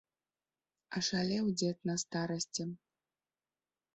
Ашалеў дзед на старасці.